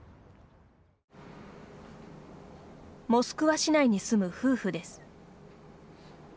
モスクワ市内に住む夫婦です。